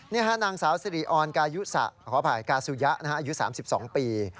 นี่ค่ะนางสาวสิริออนกาซูยะอายุ๓๒ปี